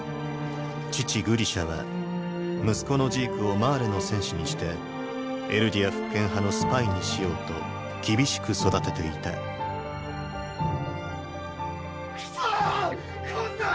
父グリシャは息子のジークをマーレの戦士にしてエルディア復権派のスパイにしようと厳しく育てていたクソッ！！